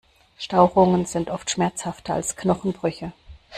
Stauchungen sind oft schmerzhafter als Knochenbrüche.